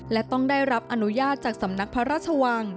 และต้องได้รับอนุญาตจากสำนักพระราชวัง